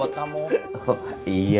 mohon aku nyuruh dia tahan